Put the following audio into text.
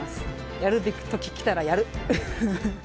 やるべき時が来たらやる。